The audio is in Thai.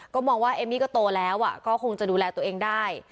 ก็มองว่าเอมมี่ก็โตแล้วก็คงจะดูแลตัวเองได้